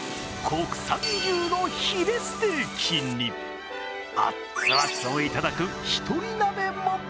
国産牛のヒレステーキに、アツアツをいただく１人鍋も。